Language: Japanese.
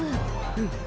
うん。